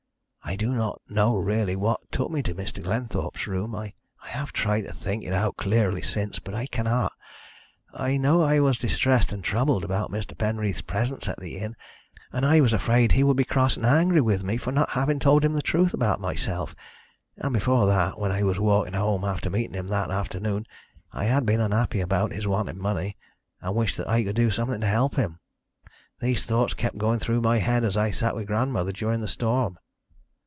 "I do not know really what took me to Mr. Glenthorpe's room. I have tried to think it out clearly since, but I cannot. I know I was distressed and troubled about Mr. Penreath's presence at the inn, and I was afraid he would be cross and angry with me for not having told him the truth about myself. And before that, when I was walking home after meeting him that afternoon, I had been unhappy about his wanting money, and wished that I could do something to help him. These thoughts kept going through my head as I sat with grandmother during the storm.